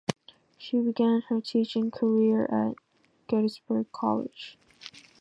She began her teaching career at Gettysburg College.